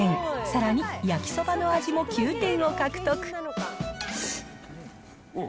さらに焼きそばの味も９点を獲得。